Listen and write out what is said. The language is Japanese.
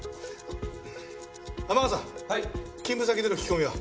天笠勤務先での聞き込みは？